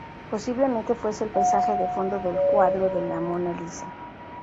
Posiblemente fuese el paisaje de fondo del cuadro de la Mona Lisa.